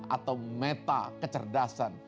atau meta kecerdasan